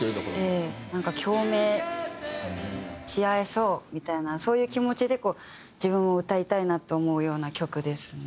ええ。共鳴し合えそうみたいなそういう気持ちで自分も歌いたいなって思うような曲ですね